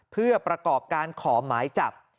เพื่อประกอบการขอหมายจับ